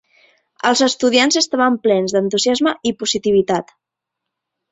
Els estudiants estaven plens d'entusiasme i positivitat.